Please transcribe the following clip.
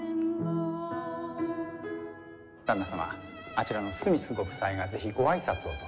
旦那様あちらのスミスご夫妻が是非ご挨拶をと。